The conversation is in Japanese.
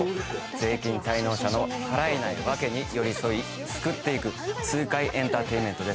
税金滞納者の払えない訳に寄り添い救っていく痛快エンターテインメントです。